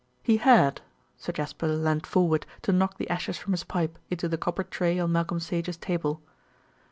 "He had." Sir Jasper leaned forward to knock the ashes from his pipe into the copper tray on Malcolm Sage's table.